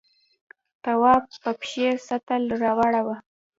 تواب په پښې سطل واړاوه.